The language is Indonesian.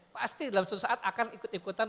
pasti dalam suatu saat akan ikut ikutan